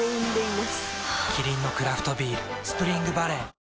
キリンのクラフトビール「スプリングバレー」